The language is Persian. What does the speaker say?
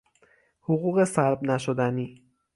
حقوق سلب نشدنی